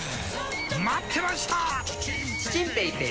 待ってました！